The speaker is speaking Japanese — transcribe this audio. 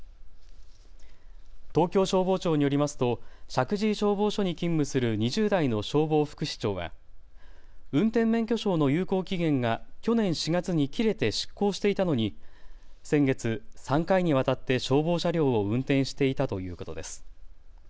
東京消防庁によりますと石神井消防署に勤務する２０代の消防副士長は運転免許証の有効期限が去年４月に切れて失効していたのに先月、３回にわたって消防車両を運転していたということです。